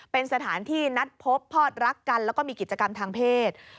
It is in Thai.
เป็นสถานที่นัดพบพอดรักกันแล้วก็มีกิจกรรมทางเพศ